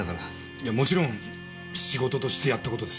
いやもちろん仕事としてやった事です。